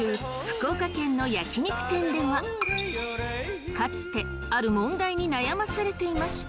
福岡県の焼き肉店ではかつてある問題に悩まされていました。